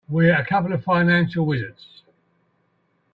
We're a couple of financial wizards.